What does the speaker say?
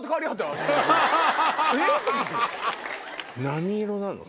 何色なの？